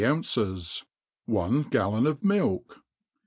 ouncei, one gallon of milk.